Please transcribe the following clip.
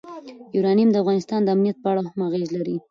یورانیم د افغانستان د امنیت په اړه هم اغېز لري.